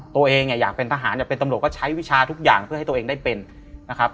ตัวเองอยากเป็นทหารอยากเป็นตำรวจก็ใช้วิชาทุกอย่างเพื่อให้ตัวเองได้เป็นนะครับ